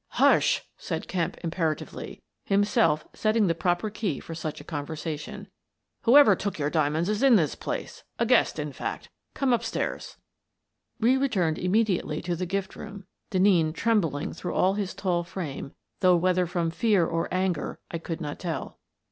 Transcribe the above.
"Hush!" said Kemp, imperatively, himself set ting the proper key for such a conversation. "Whoever took your diamonds is in this place — a guest, in fact. Come up stairs." We returned immediately to the gift room, Denneen trembling through all his tall frame, though whether from fear or anger I could not tell.